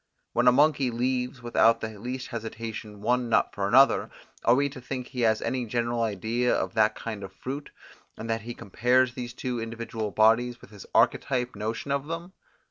When a monkey leaves without the least hesitation one nut for another, are we to think he has any general idea of that kind of fruit, and that he compares these two individual bodies with his archetype notion of them?